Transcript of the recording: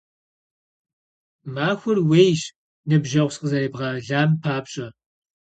Мыхэр ууейщ, ныбжьэгъу, сыкъызэребгъэлам папщӀэ!